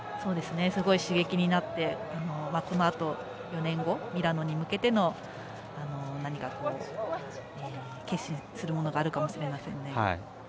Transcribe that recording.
すごく刺激になって４年後、ミラノに向けての何か決心するものがあるかもしれませんね。